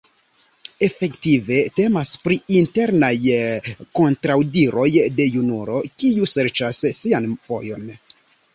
Efektive, temas pri internaj kontraŭdiroj de junulo, kiu serĉas sian vojon.